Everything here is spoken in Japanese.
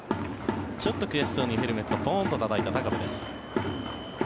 ちょっと悔しそうにヘルメットをポンとたたいた高部です。